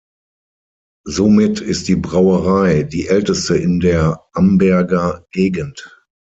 Somit ist die Brauerei die älteste in der Amberger Gegend.